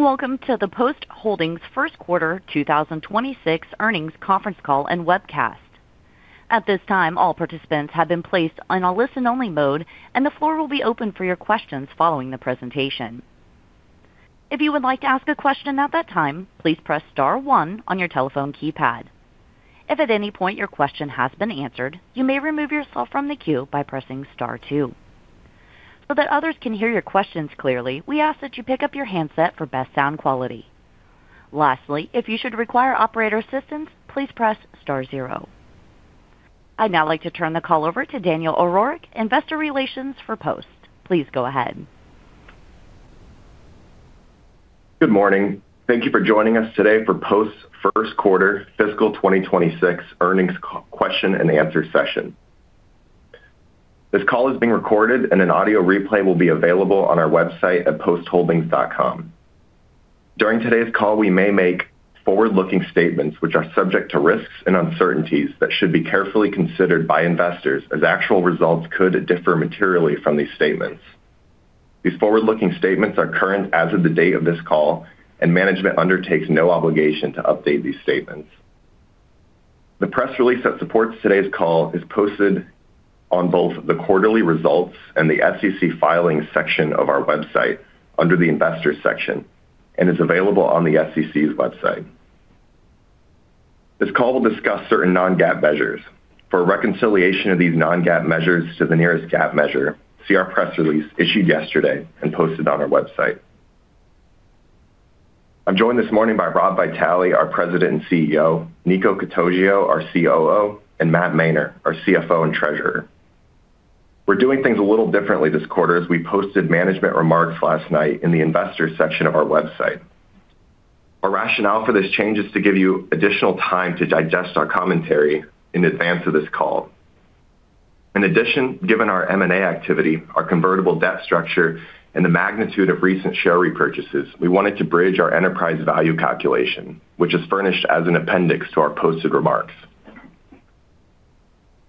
Welcome to the Post Holdings Q1 2026 earnings conference call and webcast. At this time, all participants have been placed on a listen-only mode, and the floor will be open for your questions following the presentation. If you would like to ask a question at that time, please press star one on your telephone keypad. If at any point your question has been answered, you may remove yourself from the queue by pressing star two. So that others can hear your questions clearly, we ask that you pick up your handset for best sound quality. Lastly, if you should require operator assistance, please press star zero. I'd now like to turn the call over to Daniel O'Rourke, Investor Relations for Post. Please go ahead. Good morning. Thank you for joining us today for Post's Q1 FY 2026 earnings question-and-answer session. This call is being recorded, and an audio replay will be available on our website at postholdings.com. During today's call, we may make forward-looking statements which are subject to risks and uncertainties that should be carefully considered by investors, as actual results could differ materially from these statements. These forward-looking statements are current as of the date of this call, and management undertakes no obligation to update these statements. The press release that supports today's call is posted on both the Quarterly Results and the SEC Filings section of our website under the Investors section and is available on the SEC's website. This call will discuss certain non-GAAP measures. For a reconciliation of these non-GAAP measures to the nearest GAAP measure, see our press release issued yesterday and posted on our website. I'm joined this morning by Rob Vitale, our President and CEO, Nico Catoggio, our COO, and Matt Mainer, our CFO and Treasurer. We're doing things a little differently this quarter, as we posted management remarks last night in the Investors section of our website. Our rationale for this change is to give you additional time to digest our commentary in advance of this call. In addition, given our M&A activity, our convertible debt structure, and the magnitude of recent share repurchases, we wanted to bridge our enterprise value calculation, which is furnished as an appendix to our posted remarks.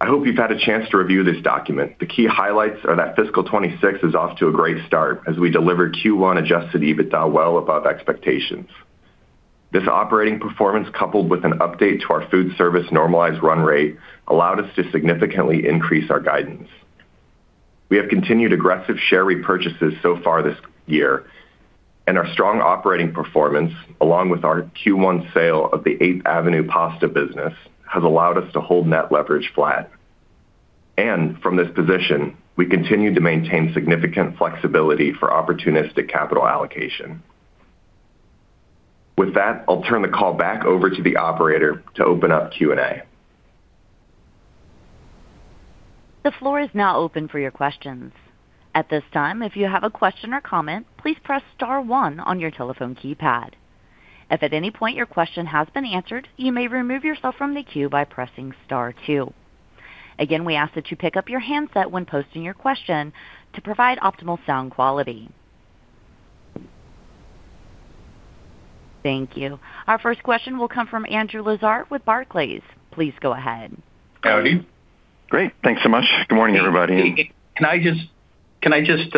I hope you've had a chance to review this document. The key highlights are that fiscal 2026 is off to a great start as we delivered Q1 adjusted EBITDA well above expectations. This operating performance, coupled with an update to our Foodservice normalized run rate, allowed us to significantly increase our guidance. We have continued aggressive share repurchases so far this year, and our strong operating performance, along with our Q1 sale of the 8th Avenue pasta business, has allowed us to hold net leverage flat. And from this position, we continue to maintain significant flexibility for opportunistic capital allocation. With that, I'll turn the call back over to the operator to open up Q&A. The floor is now open for your questions. At this time, if you have a question or comment, please press star one on your telephone keypad. If at any point your question has been answered, you may remove yourself from the queue by pressing star two. Again, we ask that you pick up your handset when posting your question to provide optimal sound quality. Thank you. Our first question will come from Andrew Lazar with Barclays. Please go ahead. Howdy. Great, thanks so much. Good morning, everybody. Can I just,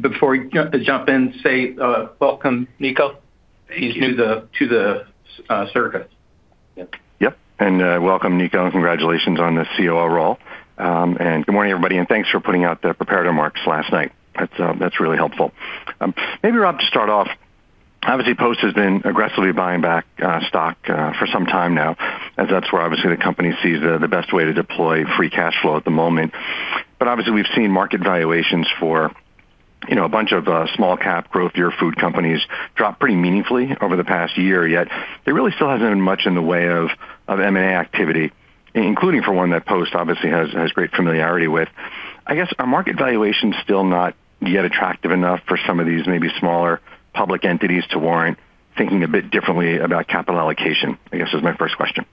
before we jump in, say welcome, Nico, he's new to the circus. Yep, and welcome, Nico, and congratulations on the COO role. And good morning, everybody, and thanks for putting out the prepared remarks last night. That's, that's really helpful. Maybe, Rob, to start off, obviously, Post has been aggressively buying back stock for some time now, as that's where obviously the company sees the, the best way to deploy free cash flow at the moment. But obviously, we've seen market valuations for, you know, a bunch of small-cap growth-oriented food companies drop pretty meaningfully over the past year. Yet there really still hasn't been much in the way of, of M&A activity, including for one that Post obviously has, has great familiarity with. I guess, are market valuations still not yet attractive enough for some of these maybe smaller public entities to warrant thinking a bit differently about capital allocation? I guess it's my first question.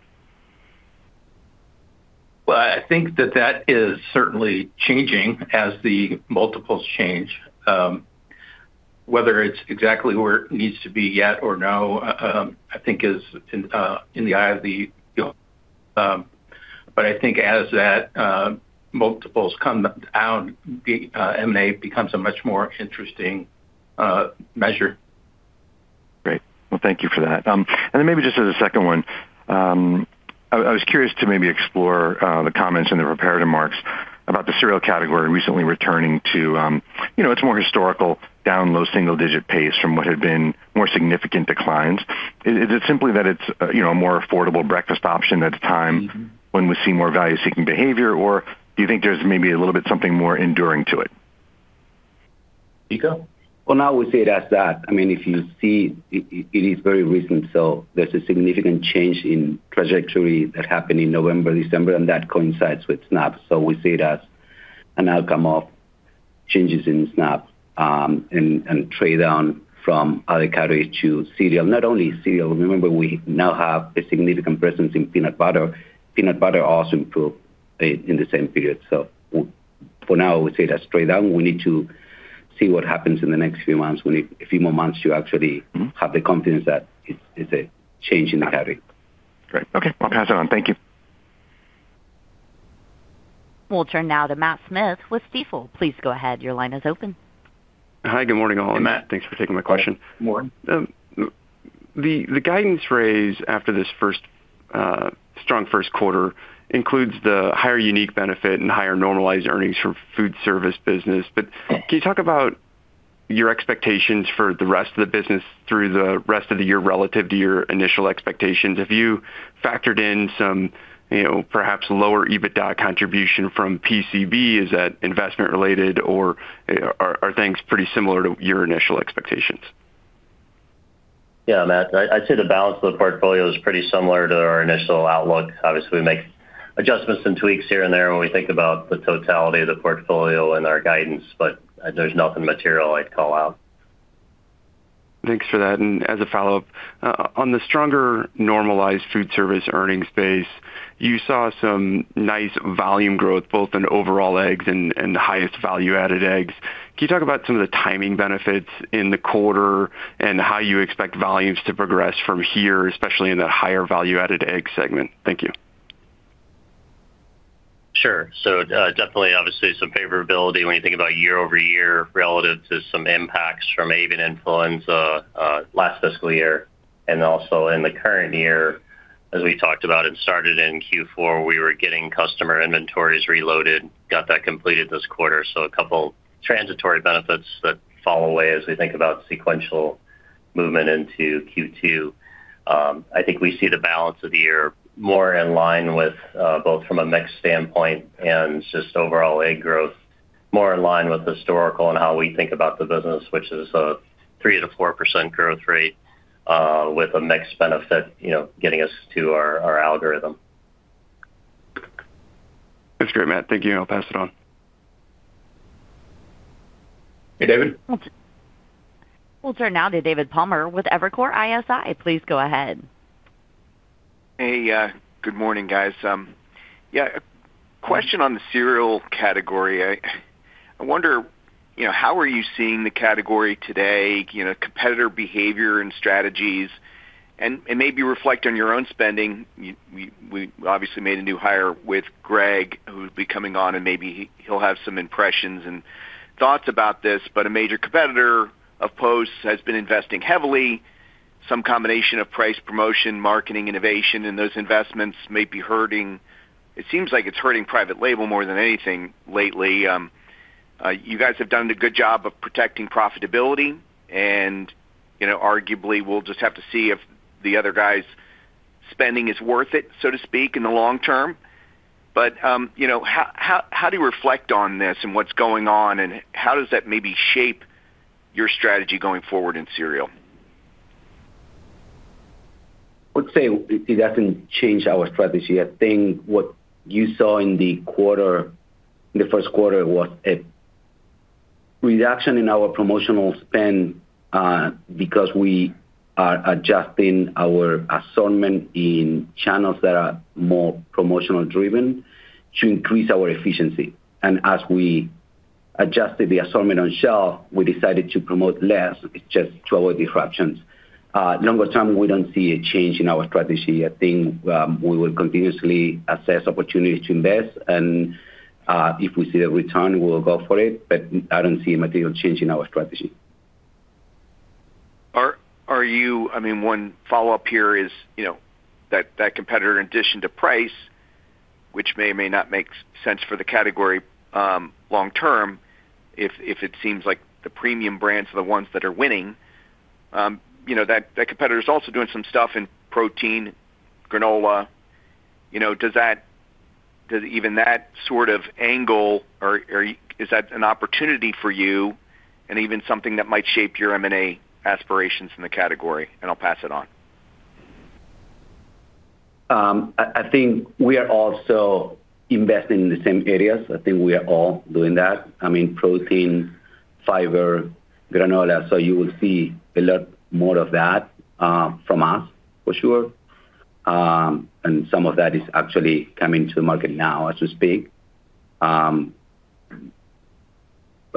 Well, I think that that is certainly changing as the multiples change. Whether it's exactly where it needs to be yet or no, I think, is in the eye of the beholder. But I think as multiples come down, the M&A becomes a much more interesting measure. Great. Well, thank you for that. And then maybe just as a second one, I was curious to maybe explore the comments in the prepared remarks about the cereal category recently returning to, you know, its more historical, down, low single-digit pace from what had been more significant declines. Is it simply that it's, you know, a more affordable breakfast option at a time when we see more value-seeking behavior, or do you think there's maybe a little bit something more enduring to it? Nico? Well, now we see it as that. I mean, if you see, it is very recent, so there's a significant change in trajectory that happened in November, December, and that coincides with SNAP. So we see it as an outcome of changes in SNAP, and trade down from other categories to cereal. Not only cereal, remember, we now have a significant presence in peanut butter. Peanut butter also improved in the same period. So for now, we say that straight down, we need to see what happens in the next few months. We need a few more months to actually. Mm-hmm. Have the confidence that it's a change in the category. Great. Okay, I'll pass it on. Thank you. We'll turn now to Matt Smith with Stifel. Please go ahead. Your line is open. Hi, good morning, all. Hey, Matt. Thanks for taking my question. Good morning. The guidance phrase after this first strong Q1 includes the higher unique benefit and higher normalized earnings for foodservice business. But can you talk about your expectations for the rest of the business through the rest of the year relative to your initial expectations? Have you factored in some, you know, perhaps lower EBITDA contribution from PCB? Is that investment related, or are things pretty similar to your initial expectations? Yeah, Matt, I, I'd say the balance of the portfolio is pretty similar to our initial outlook. Obviously, we make adjustments and tweaks here and there when we think about the totality of the portfolio and our guidance, but there's nothing material I'd call out. Thanks for that. As a follow-up, on the stronger normalized foodservice earnings base, you saw some nice volume growth, both in overall eggs and the highest value-added eggs. Can you talk about some of the timing benefits in the quarter and how you expect volumes to progress from here, especially in the higher value-added egg segment? Thank you. Sure. So, definitely, obviously, some favorability when you think about year-over-year relative to some impacts from avian influenza last FY and also in the current year. As we talked about, it started in Q4. We were getting customer inventories reloaded, got that completed this quarter, so a couple transitory benefits that fall away as we think about sequential movement into Q2. I think we see the balance of the year more in line with both from a mix standpoint and just overall egg growth, more in line with historical and how we think about the business, which is a 3%-4% growth rate with a mix benefit, you know, getting us to our algorithm. That's great, Matt. Thank you. I'll pass it on. Hey, David? We'll turn now to David Palmer with Evercore ISI. Please go ahead. Hey, good morning, guys. Yeah, a question on the cereal category. I wonder, you know, how are you seeing the category today, you know, competitor behavior and strategies, and maybe reflect on your own spending. We obviously made a new hire with Greg, who will be coming on, and maybe he'll have some impressions and thoughts about this. But a major competitor of Post has been investing heavily, some combination of price, promotion, marketing, innovation, and those investments may be hurting. It seems like it's hurting private label more than anything lately. You guys have done a good job of protecting profitability, and you know, arguably, we'll just have to see if the other guy's spending is worth it, so to speak, in the long term. You know, how, how, how do you reflect on this and what's going on, and how does that maybe shape your strategy going forward in cereal? I would say it doesn't change our strategy. I think what you saw in the quarter, in the Q1, was a reduction in our promotional spend, because we are adjusting our assortment in channels that are more promotional-driven to increase our efficiency. As we adjusted the assortment on shelf, we decided to promote less, just to avoid disruptions. Longer-term, we don't see a change in our strategy. I think we will continuously assess opportunities to invest and, if we see a return, we will go for it, but I don't see a material change in our strategy. I mean, one follow-up here is, you know, that competitor, in addition to price, which may or may not make sense for the category, long term, if it seems like the premium brands are the ones that are winning, you know, that competitor is also doing some stuff in protein, granola. You know, does even that sort of angle, or is that an opportunity for you and even something that might shape your M&A aspirations in the category? And I'll pass it on. I think we are also investing in the same areas. I think we are all doing that. I mean, protein, fiber, granola, so you will see a lot more of that, from us, for sure. And some of that is actually coming to the market now, as we speak. But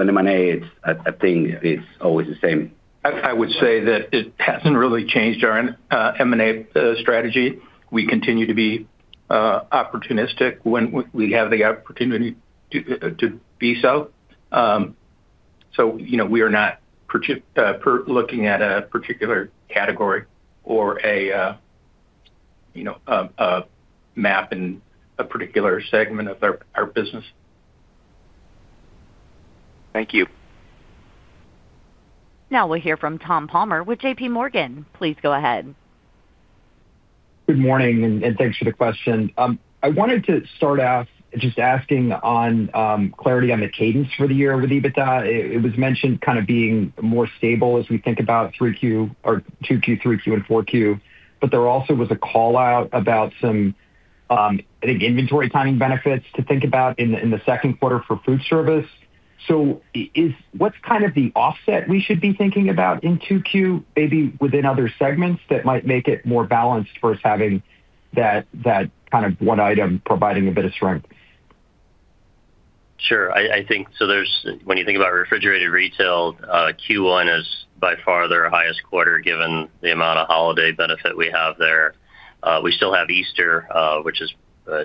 M&A, it's, I think it's always the same. I would say that it hasn't really changed our M&A strategy. We continue to be opportunistic when we have the opportunity to be so. So, you know, we are not particularly looking at a particular category or, you know, a map in a particular segment of our business. Thank you. Now we'll hear from Tom Palmer with JPMorgan. Please go ahead. Good morning, and thanks for the question. I wanted to start off just asking on clarity on the cadence for the year with EBITDA. It was mentioned kind of being more stable as we think about Q3 or Q2, Q3, and Q4. But there also was a call-out about some, I think, inventory timing benefits to think about in the Q2 for food service. So what's kind of the offset we should be thinking about in Q2, maybe within other segments that might make it more balanced versus having that kind of one item providing a bit of strength? Sure. I think, so there's, when you think about Refrigerated Retail, Q1 is by far their highest quarter, given the amount of holiday benefit we have there. We still have Easter, which is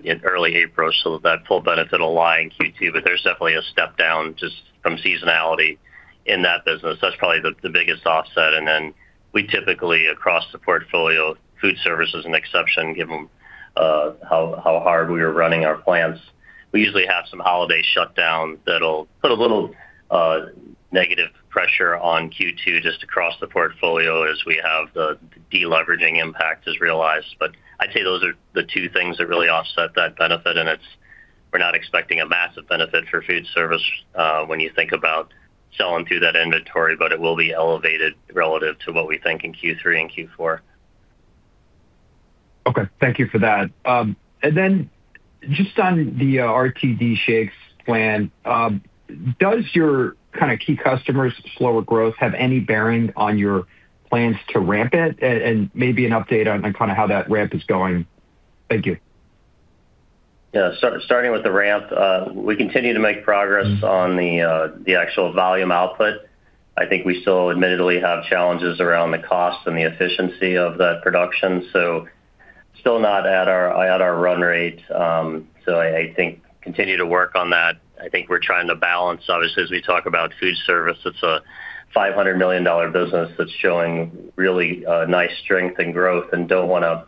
in early April, so that full benefit will lie in Q2, but there's definitely a step down just from seasonality in that business. That's probably the biggest offset. And then we typically, across the portfolio, food service is an exception, given how hard we are running our plants. We usually have some holiday shutdown that'll put a little negative pressure on Q2, just across the portfolio, as we have the deleveraging impact is realized. But I'd say those are the two things that really offset that benefit, and it's, we're not expecting a massive benefit for Foodservice, when you think about selling through that inventory, but it will be elevated relative to what we think in Q3 and Q4. Okay, thank you for that. And then just on the RTD shakes plan, does your kind of key customers' slower growth have any bearing on your plans to ramp it? And maybe an update on kind of how that ramp is going. Thank you. Yeah. So starting with the ramp, we continue to make progress on the actual volume output. I think we still admittedly have challenges around the cost and the efficiency of that production, so still not at our run rate. So I think continue to work on that. I think we're trying to balance, obviously, as we talk about food service, it's a $500 million business that's showing really nice strength and growth, and don't wanna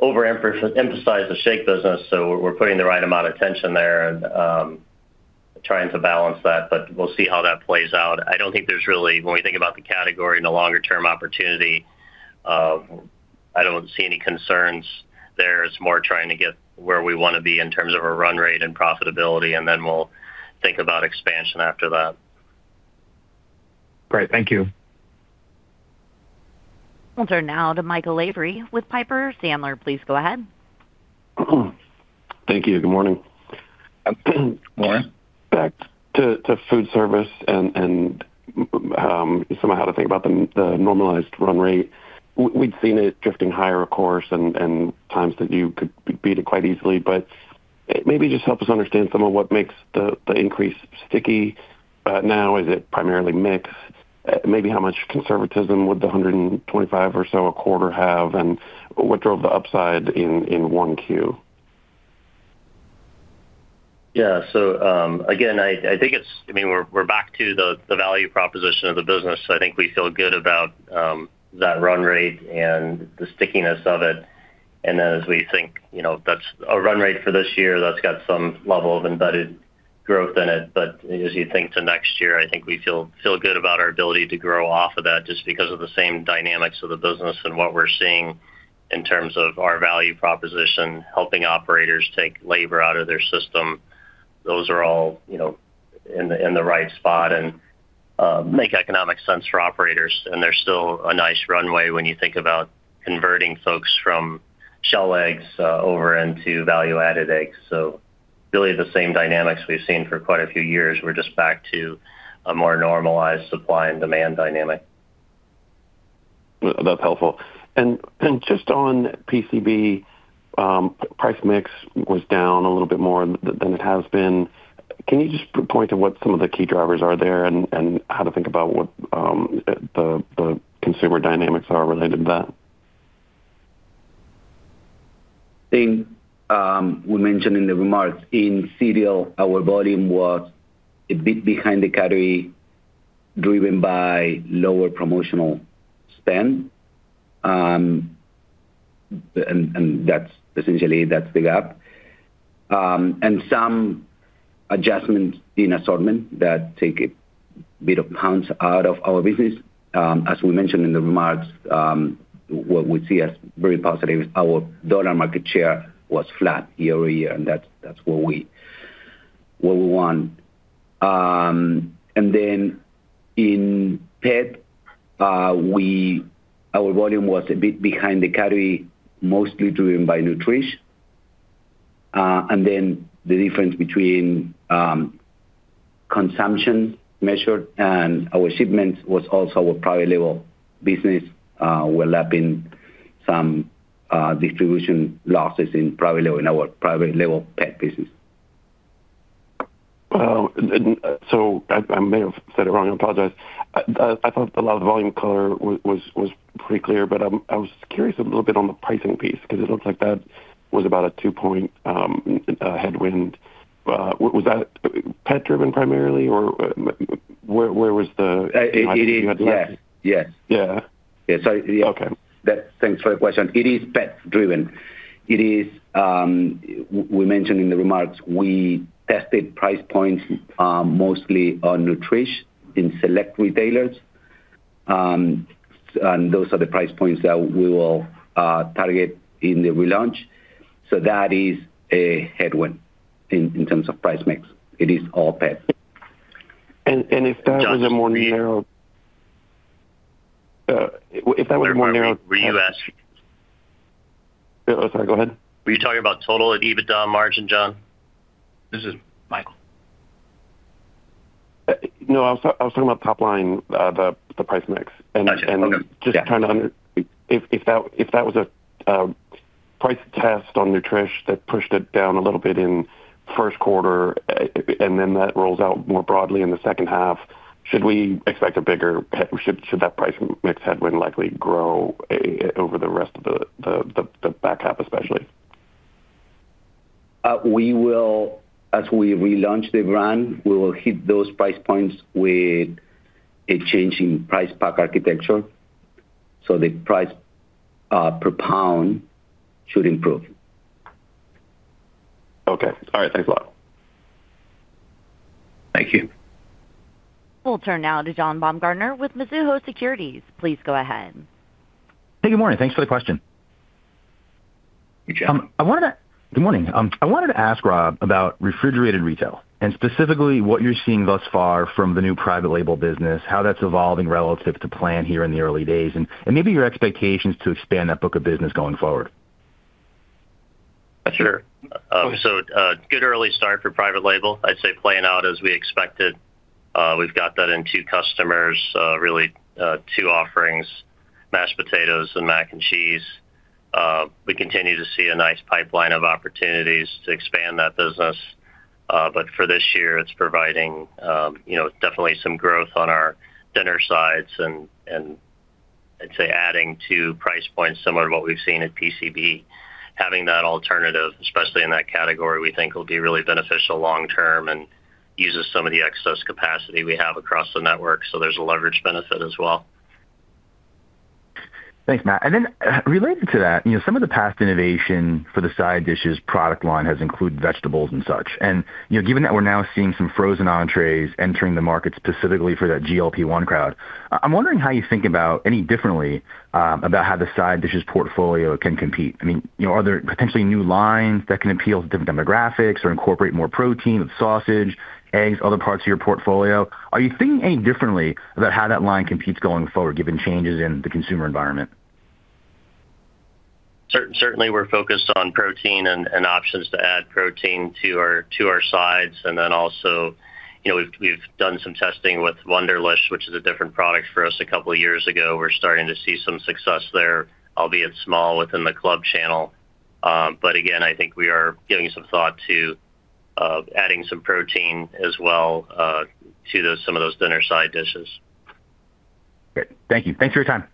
overemphasize the shake business, so we're putting the right amount of attention there and trying to balance that, but we'll see how that plays out. I don't think there's really, when we think about the category and the longer-term opportunity, I don't see any concerns there. It's more trying to get where we wanna be in terms of a run rate and profitability, and then we'll think about expansion after that. Great. Thank you. We'll turn now to Michael Lavery with Piper Sandler. Please go ahead. Thank you. Good morning. Morning. Back to Foodservice and some of how to think about the normalized run rate. We'd seen it drifting higher, of course, and times that you could beat it quite easily, but maybe just help us understand some of what makes the increase sticky now. Is it primarily mix? Maybe how much conservatism would the 125 or so a quarter have, and what drove the upside in 1Q? Yeah. So, again, I think it's—I mean, we're back to the value proposition of the business. So I think we feel good about that run rate and the stickiness of it. And as we think, you know, that's a run rate for this year, that's got some level of embedded growth in it, but as you think to next year, I think we feel good about our ability to grow off of that, just because of the same dynamics of the business and what we're seeing in terms of our value proposition, helping operators take labor out of their system. Those are all, you know, in the right spot and make economic sense for operators. And there's still a nice runway when you think about converting folks from shell eggs over into value-added eggs. So really, the same dynamics we've seen for quite a few years, we're just back to a more normalized supply and demand dynamic. That's helpful. Just on PCB, price mix was down a little bit more than it has been. Can you just point to what some of the key drivers are there and how to think about what the consumer dynamics are related to that? I think we mentioned in the remarks, in CDL, our volume was a bit behind the category, driven by lower promotional spend. And that's essentially the gap. And some adjustments in assortment that take a bit of pounds out of our business. As we mentioned in the remarks, what we see as very positive, our dollar market share was flat year-over-year, and that's what we want. And then in pet, our volume was a bit behind the category, mostly driven by Nutrish. And then the difference between consumption measured and our shipments was also our private label business, overlapping some distribution losses in private label, in our private label pet business. And so I may have said it wrong, I apologize. I thought a lot of the volume color was pretty clear, but I'm—I was curious a little bit on the pricing piece, because it looks like that was about a 2-point headwind. Was that pet-driven primarily, or where, where was the- It is. Yes. Yes. Yeah. Yeah. So, yeah. Okay. Thanks for the question. It is pet-driven. It is, we mentioned in the remarks, we tested price points, mostly on Nutrish in select retailers. And those are the price points that we will target in the relaunch. So that is a headwind in terms of price mix. It is all pets. And if that was a more narrow- John, can you- If that was a more narrow- Were you asking? Sorry, go ahead. Were you talking about total EBITDA margin, John? This is Michael. No, I was talking about top line, the price mix. Gotcha. Okay. Just kind of—if that was a price test on Nutrish that pushed it down a little bit in Q1, and then that rolls out more broadly in the H2, should we expect a bigger—should that price mix headwind likely grow over the rest of the back half, especially? We will, as we relaunch the brand, we will hit those price points with a change in Price Pack Architecture, so the price per pound should improve. Okay. All right. Thanks a lot. Thank you. We'll turn now to John Baumgartner with Mizuho Securities. Please go ahead. Hey, good morning. Thanks for the question. Hey, John. Good morning. I wanted to ask Rob about Refrigerated Retail and specifically what you're seeing thus far from the new private label business, how that's evolving relative to plan here in the early days, and maybe your expectations to expand that book of business going forward. Sure. So, good early start for private label. I'd say playing out as we expected. We've got that in two customers, really, two offerings, mashed potatoes and mac and cheese. We continue to see a nice pipeline of opportunities to expand that business, but for this year, it's providing, you know, definitely some growth on our dinner sides and, and I'd say adding two price points, similar to what we've seen at PCB. Having that alternative, especially in that category, we think will be really beneficial long term and uses some of the excess capacity we have across the network, so there's a leverage benefit as well. Thanks, Matt. And then, related to that, you know, some of the past innovation for the side dishes product line has included vegetables and such. And, you know, given that we're now seeing some frozen entrees entering the market, specifically for that GLP-1 crowd, I'm wondering how you think about any differently, about how the side dishes portfolio can compete. I mean, you know, are there potentially new lines that can appeal to different demographics or incorporate more protein with sausage, eggs, other parts of your portfolio? Are you thinking any differently about how that line competes going forward, given changes in the consumer environment? Certainly, we're focused on protein and options to add protein to our sides. And then also, you know, we've done some testing with Wunderlich, which is a different product for us a couple of years ago. We're starting to see some success there, albeit small, within the club channel. But again, I think we are giving some thought to adding some protein as well to those, some of those dinner side dishes. Great. Thank you. Thanks for your time.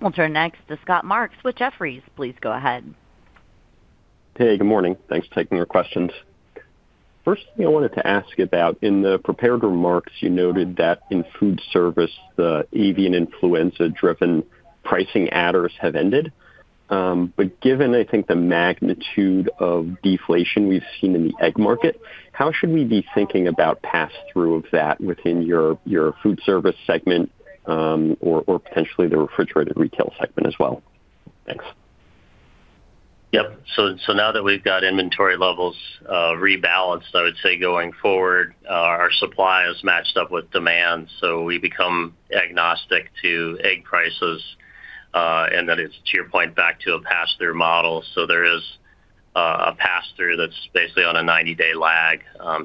We'll turn next to Scott Marks with Jefferies. Please go ahead. Hey, good morning. Thanks for taking our questions. First thing I wanted to ask about, in the prepared remarks, you noted that in food service, the avian influenza-driven pricing adders have ended. But given, I think, the magnitude of deflation we've seen in the egg market, how should we be thinking about pass-through of that within your food service segment, or potentially the Refrigerated Retail segment as well? Thanks. Yep. So now that we've got inventory levels rebalanced, I would say going forward, our supply is matched up with demand, so we become agnostic to egg prices, and then it's, to your point, back to a pass-through model. So there is a pass-through that's basically on a 90-day lag.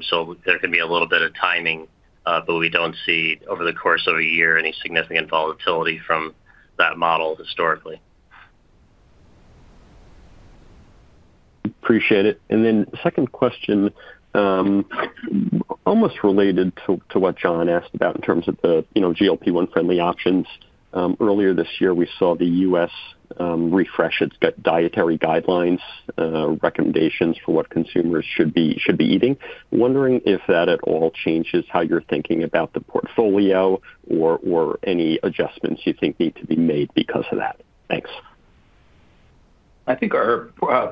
So there can be a little bit of timing, but we don't see over the course of a year any significant volatility from that model historically. Appreciate it. Then second question, almost related to what John asked about in terms of the, you know, GLP-1 friendly options. Earlier this year, we saw the U.S. refresh its dietary guidelines recommendations for what consumers should be eating. Wondering if that at all changes how you're thinking about the portfolio or any adjustments you think need to be made because of that? Thanks. I think our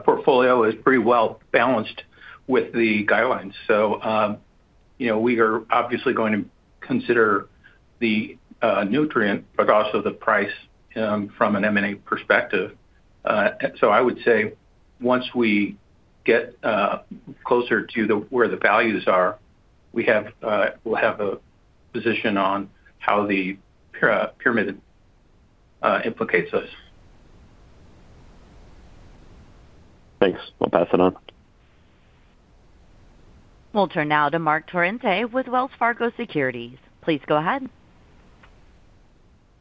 portfolio is pretty well balanced with the guidelines. So, you know, we are obviously going to consider the nutrient, but also the price from an M&A perspective. So I would say once we get closer to where the values are, we'll have a position on how the pyramid implicates us. Thanks. I'll pass it on. We'll turn now to Marc Torrente with Wells Fargo Securities. Please go ahead.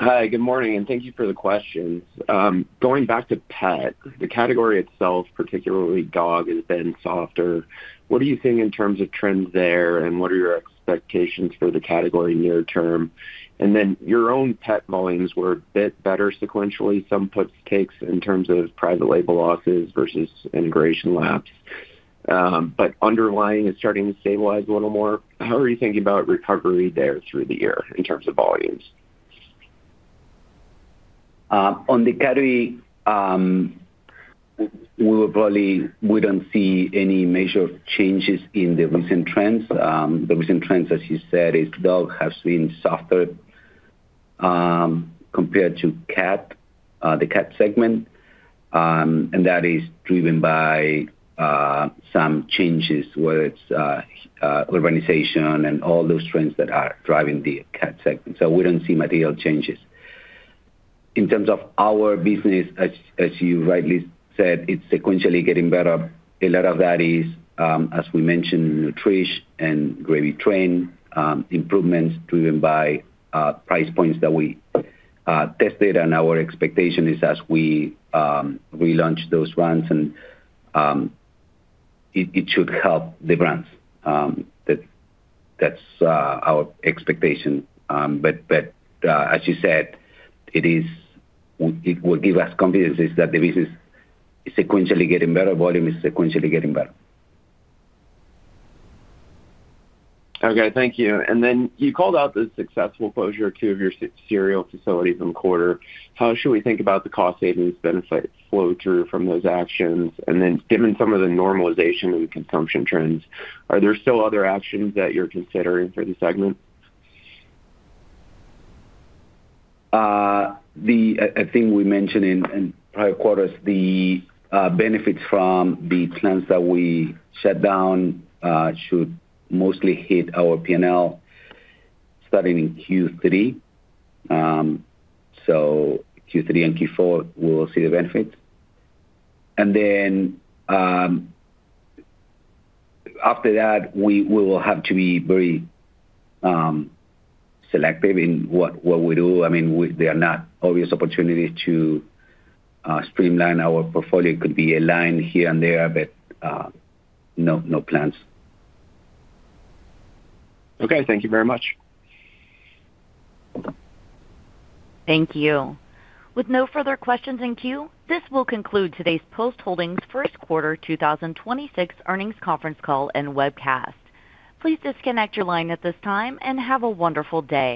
Hi, good morning, and thank you for the questions. Going back to pet, the category itself, particularly dog, has been softer. What are you seeing in terms of trends there, and what are your expectations for the category near term? And then your own pet volumes were a bit better sequentially, some puts and takes in terms of private label losses versus integration lapses. But underlying is starting to stabilize a little more. How are you thinking about recovery there through the year in terms of volumes? On the category, we probably wouldn't see any major changes in the recent trends. The recent trends, as you said, is dog has been softer compared to cat, the cat segment, and that is driven by some changes, whether it's urbanization and all those trends that are driving the cat segment. So we don't see material changes. In terms of our business, as you rightly said, it's sequentially getting better. A lot of that is, as we mentioned, Nutrish and Gravy Train improvements driven by price points that we tested. And our expectation is as we relaunch those brands, and it should help the brands. That's our expectation. But as you said, it will give us confidence in that the business is sequentially getting better, volume is sequentially getting better. Okay, thank you. And then you called out the successful closure of two of your cereal facilities in the quarter. How should we think about the cost savings benefit flow through from those actions? And then, given some of the normalization in consumption trends, are there still other actions that you're considering for the segment? I think we mentioned in prior quarters, the benefits from the plants that we shut down should mostly hit our P&L starting in Q3. So Q3 and Q4, we'll see the benefits. And then, after that, we will have to be very selective in what we do. I mean, they are not obvious opportunities to streamline our portfolio. It could be a line here and there, but no plans. Okay, thank you very much. Thank you. With no further questions in queue, this will conclude today's Post Holdings Q1 2026 earnings conference call and webcast. Please disconnect your line at this time, and have a wonderful day.